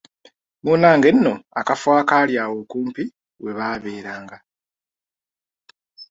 Munnange nno akafo akaali awo okumpi webaaberanga.